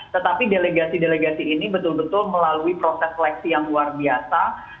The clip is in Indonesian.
tetapi delegasi delegasi ini betul betul melalui proses seleksi yang luar biasa